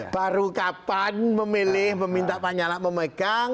baru kapan memilih meminta pak nyala memegang